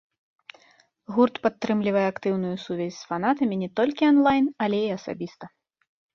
Гурт падтрымлівае актыўную сувязь з фанатамі не толькі анлайн, але і асабіста.